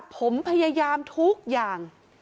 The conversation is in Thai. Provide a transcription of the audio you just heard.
ผมพยายามทุกอย่าง